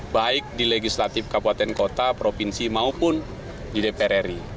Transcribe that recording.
baik di legislatif kabupaten kota provinsi maupun di dprri